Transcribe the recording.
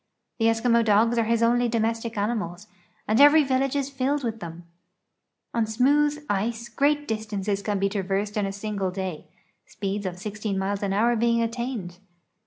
The Eskimo dogs are his only domestic animals, and every village is filled with tliem. On smooth ice great distances can be traversed in a single day, speeds of 16 miles an hour being attained.